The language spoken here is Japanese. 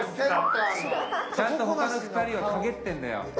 ちゃんと他の２人は陰ってるんだよ。